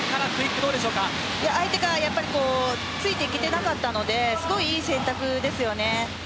相手がついていけてなかったのでいい選択でした。